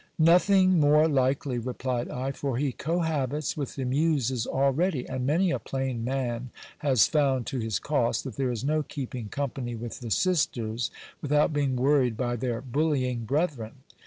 Nothing more likely ! replied I ; for he cohabits with the muses already ; and many a plain man has found, to his cost, that there is no keeping company with the sisters, without being worried by their bullying brethren.